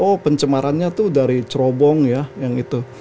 oh pencemarannya tuh dari cerobong ya yang itu